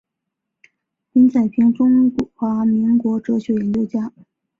林宰平中华民国哲学研究家。